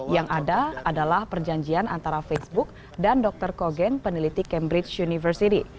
yang ada adalah perjanjian antara facebook dan dr kogen peneliti cambridge university